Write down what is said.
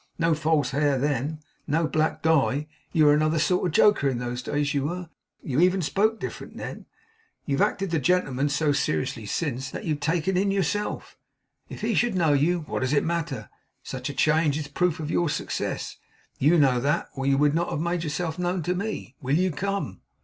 No false hair then, no black dye! You were another sort of joker in those days, you were! You even spoke different then. You've acted the gentleman so seriously since, that you've taken in yourself. If he should know you, what does it matter? Such a change is a proof of your success. You know that, or you would not have made yourself known to me. Will you come?